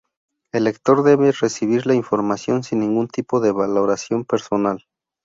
El lector debe recibir la información sin ningún tipo de valoración personal.